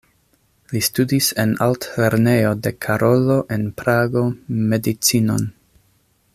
Li studis en Altlernejo de Karolo en Prago medicinon.